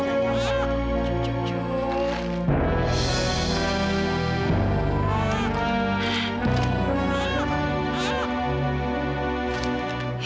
cukup cukup cukup